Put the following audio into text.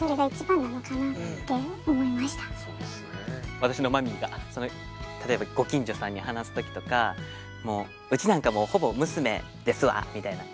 私のマミーが例えばご近所さんに話すときとかもう「うちなんかもうほぼ娘ですわ」みたいな。